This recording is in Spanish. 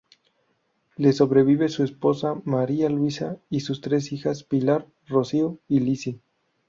Le sobreviven su esposa María Luisa y sus tres hijas, Pilar, Rocío y Lisi.